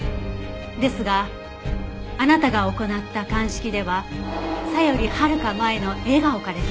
ですがあなたが行った鑑識ではサよりはるか前のエが置かれていた。